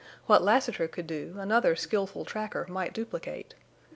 What Lassiter could do another skilful tracker might duplicate.